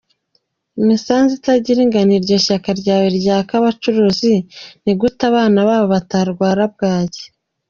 Imisanzu itagira ingano iryo shya ryawe ryaka abacuruzi, nigute abana babo batarwara bwaki ?